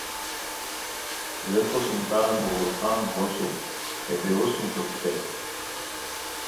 ریکو سوم تان مغل خان ہو سوم، ہے دیوؤ سوم ݯوکیتائے